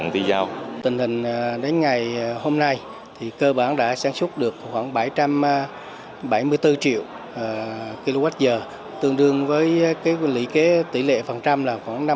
tình hình đến ngày hôm nay thì cơ bản đã sản xuất được khoảng bảy trăm bảy mươi bốn triệu kwh tương đương với lý kế tỷ lệ phần trăm là khoảng năm mươi một sáu